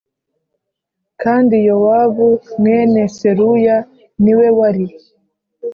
Kandi Yowabu mwene Seruya ni we wari